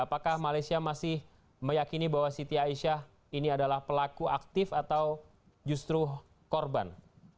apakah malaysia masih meyakini bahwa siti aisyah ini adalah pelaku aktif atau justru korban